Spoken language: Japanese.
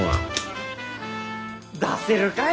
出せるかい！